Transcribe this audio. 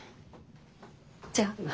じゃあ。